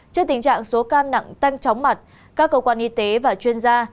trước tình trạng số ca nặng tăng chóng mặt các cơ quan y tế và chuyên gia